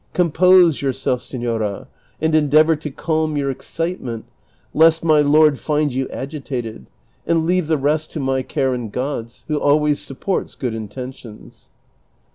Com pose yourself, seiiora, and endeavor to calm your excitement lest my lord find you agitated ; and leave the rest to my cai'e and God's, who always suppoi'ts good intentions."